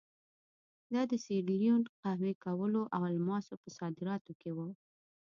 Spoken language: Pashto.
دا د سیریلیون د قهوې، کوکو او الماسو په صادراتو کې وو.